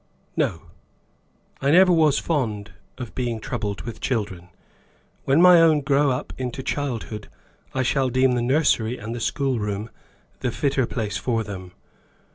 "No. I never was fond of being troubled with children. When my own grow up into childhood I shall deem the nursery and the schoolroom the fitter place for them.